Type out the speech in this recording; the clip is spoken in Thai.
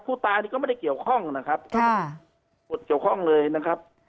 ผู้ตายนี่ก็ไม่ได้เกี่ยวข้องนะครับเกี่ยวข้องเลยนะครับ